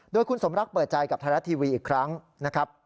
โดยคุณสมรักเปิดใจกับไทยรัฐทีวีอีกครั้งนะครับ